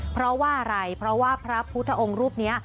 เพราะว่าอะไรเพราะว่าพระพุทธองค์รูปนี้